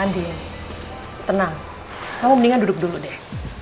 andi ya tenang kamu mendingan duduk dulu deh